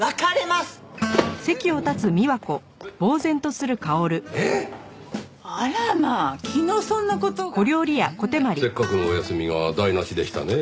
せっかくのお休みが台無しでしたねぇ。